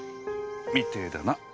みてえだな。